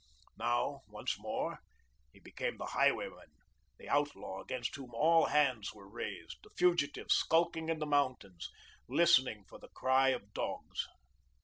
Now, once more, he became the highwayman, the outlaw against whom all hands were raised, the fugitive skulking in the mountains, listening for the cry of dogs.